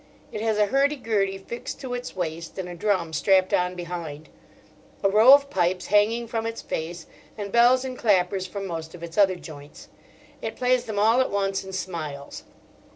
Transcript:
It has a hurdy gurdy fixed to its waist and a drum strapped on behind, a row of pipes hanging from its face, and bells and clappers from most of its other joints. It plays them all at once, and smiles.